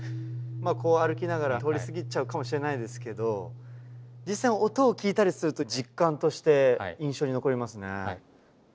こう歩きながら通り過ぎちゃうかもしれないですけど実際に音を聞いたりすると実感として印象に残りますね。